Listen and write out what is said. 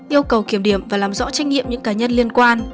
yêu cầu kiểm điểm và làm rõ trách nhiệm những cá nhân liên quan